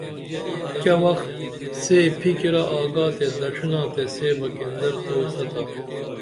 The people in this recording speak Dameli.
کیہ وختہ سے پِھکیرہ آگا تے دڇھینا تے سے بہ کیندر تہ اوڅھہ تھا